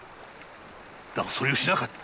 だがそれをしなかった。